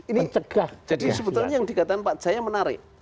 ini jadi sebetulnya yang dikatakan pak jayo menarik